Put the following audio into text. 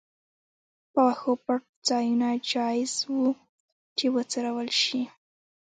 په وښو پټ ځایونه جایز وو چې وڅرول شي.